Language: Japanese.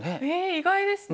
意外ですね。